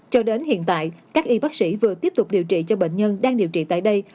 cho đến hiện tại các y bác sĩ vừa tiếp tục điều trị cho bệnh nhân đang điều trị tại đây